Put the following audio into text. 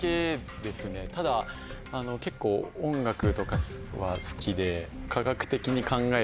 ただ結構音楽とかは好きで。